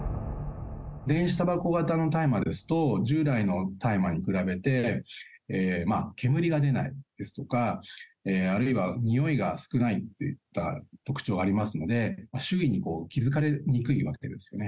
電子たばこ型の大麻ですと、従来の大麻に比べて煙が出ないですとか、あるいは臭いが少ないといった特徴がありますので、周囲に気付かれにくいわけですよね。